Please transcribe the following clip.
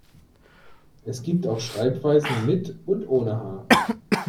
Es gibt auch Schreibweisen mit und ohne H.